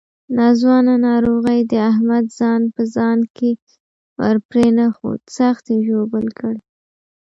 ناځوانه ناروغۍ د احمد ځان په ځان کې ورپرېنښود، سخت یې ژوبل کړ.